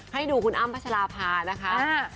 ให้ดูคุณอ้ำพัชราภานะคะ